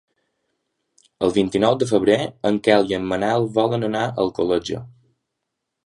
El vint-i-nou de febrer en Quel i en Manel volen anar a Alcoleja.